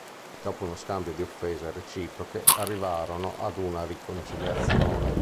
Dopo uno scambio di offese reciproche, arrivarono ad una riconciliazione.